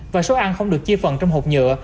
và số ăn không được chia phần trong hộp nhựa